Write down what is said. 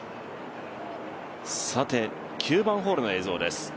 さて、９番ホールの映像です。